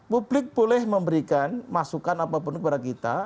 publik boleh memberikan masukan apapun kepada kita